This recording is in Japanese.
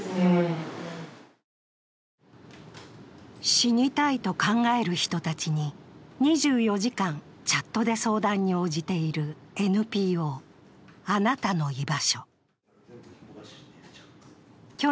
死にたいと考える人たちに２４時間チャットで相談に応じているＮＰＯあなたのいばしょ。